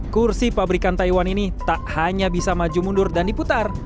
kursi pabrikan taiwan ini tak hanya bisa maju mundur dan diputar